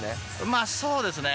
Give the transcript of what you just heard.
まあそうですね。